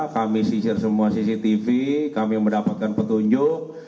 kami sisir semua cctv kami mendapatkan petunjuk